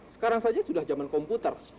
sekarang saja sudah zaman komputer